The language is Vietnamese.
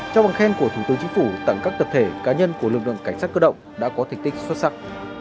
trong bằng khen của thủ tướng chính phủ tặng các tập thể cá nhân của lực lượng cảnh sát cơ động đã có thành tích xuất sắc